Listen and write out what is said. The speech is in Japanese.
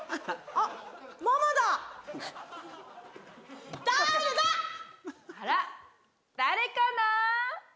あらっ誰かな？